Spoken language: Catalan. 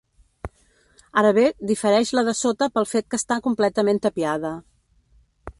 Ara bé difereix la de sota pel fet que està completament tapiada.